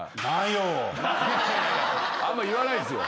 あんま言わないんすよ。